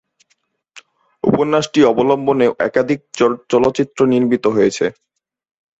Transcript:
উপন্যাসটি অবলম্বনে একাধিক চলচ্চিত্র নির্মিত হয়েছে।